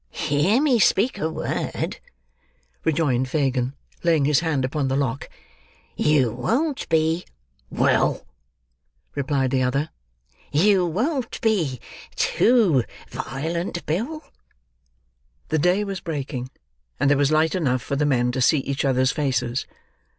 "Hear me speak a word," rejoined Fagin, laying his hand upon the lock. "You won't be—" "Well," replied the other. "You won't be—too—violent, Bill?" The day was breaking, and there was light enough for the men to see each other's faces.